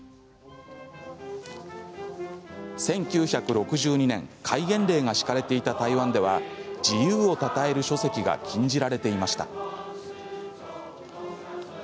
１９６２年戒厳令が敷かれていた台湾では自由をたたえる書籍が禁じられていました。